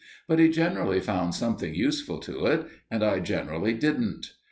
But he generally found something useful to do, and I generally didn't.